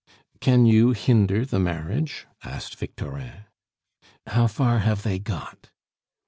"Can you hinder the marriage?" asked Victorin. "How far have they got?"